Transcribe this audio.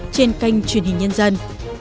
trên kênh truyền hình nhân dân